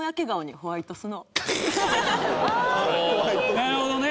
なるほどね。